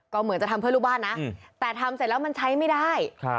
ก็เหมือนจะทำเพื่อลูกบ้านนะแต่ทำเสร็จแล้วมันใช้ไม่ได้